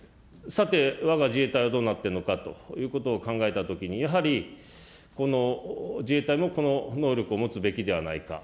さて、わが自衛隊はどうなっているかということを考えたときに、やはり、自衛隊も、この能力を持つべきではないか。